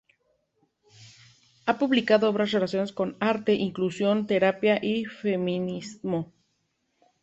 Ha publicado obras relacionadas con arte, inclusión, terapia y feminismo.